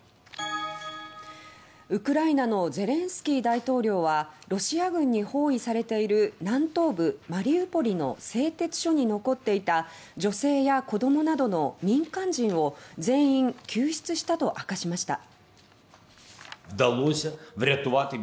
ウクライナのゼレンスキー大統領はロシア軍に包囲されている南東部マリウポリの製鉄所に残っていた女性や子供などの民間人を全員救出したと明かしました。